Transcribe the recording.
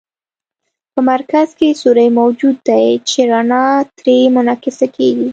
په مرکز کې سوری موجود دی چې رڼا ترې منعکسه کیږي.